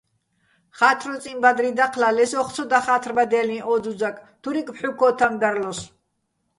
ხა́თრუწიჼ ბადრი დაჴლა, ლე სოხ ცო დახა́თრბადჲალიჼ ო ძუძაკ, თურიკ ფჰ̦უ-ქო́თამ დარლოსო̆.